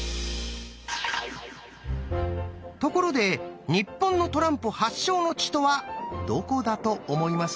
ところで日本のトランプ発祥の地とはどこだと思います？